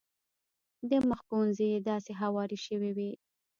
د مخ ګونځې یې داسې هوارې شوې وې.